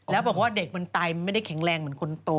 แล้วบอกว่าเด็กมันไตมันไม่ได้แข็งแรงเหมือนคนโต